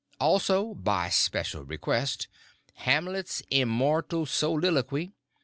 also: (by special request,) Hamlet's Immortal Soliloquy!!